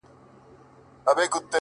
زما په ليدو دي زړگى ولي وارخطا غوندي سي.